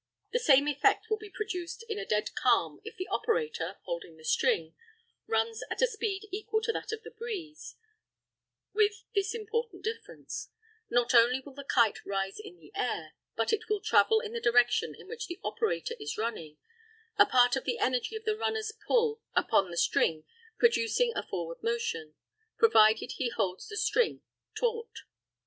The same effect will be produced in a dead calm if the operator, holding the string, runs at a speed equal to that of the breeze with this important difference: not only will the kite rise in the air, but it will travel in the direction in which the operator is running, a part of the energy of the runner's pull upon the string producing a forward motion, provided he holds the string taut.